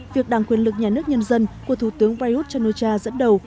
việc đảng quyền lực nhà nước nhân dân của thủ tướng prayuth chan o cha dẫn đầu